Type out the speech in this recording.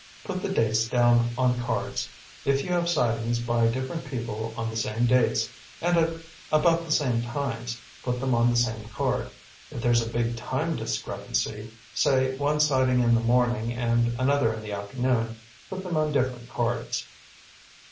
"Put the dates down on cards. If you have sightings by different people on the same dates, and at about the same times, put them on the same card. If there's a big time discrepancy say one sighting in the morning and another in the afternoon put them on different cards."